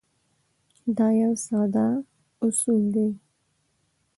دا یو ساده اصول دی.